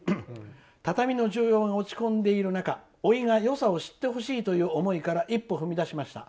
畳の需要が落ち込んでいる中おいが、良さを知ってほしいという思いから一歩踏み出しました。